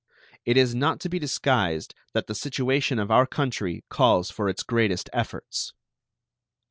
It is not to be disguised that the situation of our country calls for its greatest efforts.